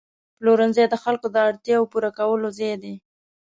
پلورنځی د خلکو د اړتیاوو پوره کولو ځای دی.